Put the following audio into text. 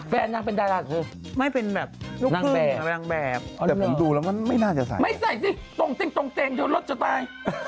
แฟนนางเป็นใดลักษณ์หรือนางแบบแต่ผมดูแล้วมันไม่น่าจะใส่ไม่ใส่สิตรงเต็งเดี๋ยวรถจะตาย